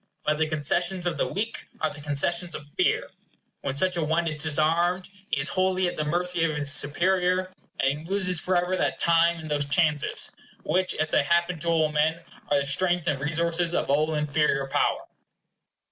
But the concessions of the weak are the concessions of fear. When such a one is disarmed, he is wholly at the mercy of his superior; and he loses forever that time and those chances, which, as they happen to all men, are the strength and resources of all inferior power.